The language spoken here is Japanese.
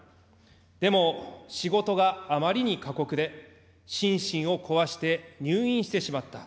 でも仕事があまりに過酷で、心身を壊して、入院してしまった。